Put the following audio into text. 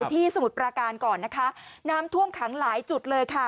สมุทรปราการก่อนนะคะน้ำท่วมขังหลายจุดเลยค่ะ